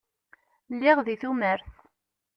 Lliɣ di tumert.